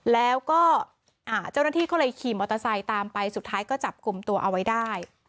แล้วก็เจ้าหน้าที่ก็เลยขี่มอเตอร์ไซค์ตามไปสุดท้ายก็จับกลุ่มตัวเอาไว้ได้